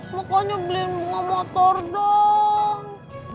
pokoknya beliin bunga motor dong